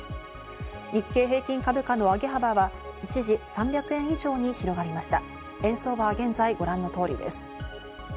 日経平均株価の上げ幅は一時３００円以上に広がりました。